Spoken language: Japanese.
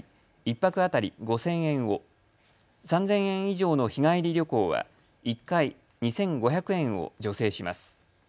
１泊当たり５０００円を３０００円以上の日帰り旅行は１回、２５００円を助成します。